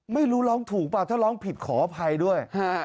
ไม่รู้ร้องถูกเปล่าถ้าร้องผิดขออภัยด้วย